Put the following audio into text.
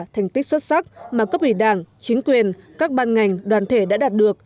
thành tích xuất sắc mà cấp ủy đảng chính quyền các ban ngành đoàn thể đã đạt được